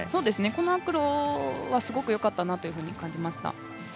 このアクロはすごくよかったなと感じました。